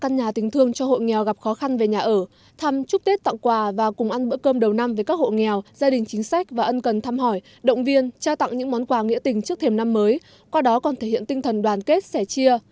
một căn nhà tình thương cho hộ nghèo gặp khó khăn về nhà ở thăm chúc tết tặng quà và cùng ăn bữa cơm đầu năm với các hộ nghèo gia đình chính sách và ân cần thăm hỏi động viên trao tặng những món quà nghĩa tình trước thềm năm mới qua đó còn thể hiện tinh thần đoàn kết sẻ chia